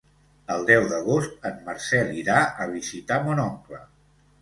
El deu d'agost en Marcel irà a visitar mon oncle.